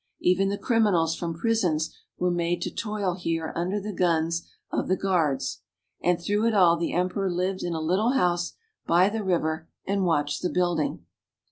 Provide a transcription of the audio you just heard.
Even the criminals from prisons were made to toil here under the guns of the guards ; and through it all the emperor lived in a little house by the river and watched the building.